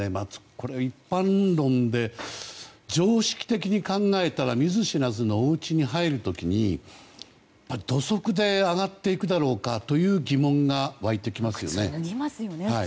これ、一般論で常識的に考えたら見ず知らずのおうちに入る時に土足で上がっていくだろうかという普通脱ぎますよね。